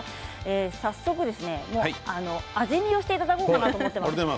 早速、味見をしていただこうかなと思っています。